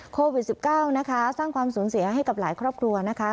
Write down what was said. โควิด๑๙นะคะสร้างความสูญเสียให้กับหลายครอบครัวนะคะ